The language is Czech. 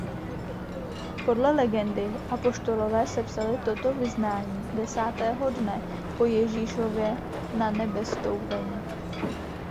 Podle legendy apoštolové sepsali toto vyznání desátého dne po Ježíšově nanebevstoupení.